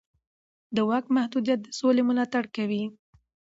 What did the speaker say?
د واک محدودیت د سولې ملاتړ کوي